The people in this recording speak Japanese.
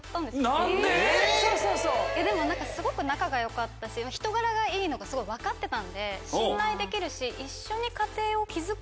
何で⁉でもすごく仲が良かったし人柄いいのが分かってたんで信頼できるし。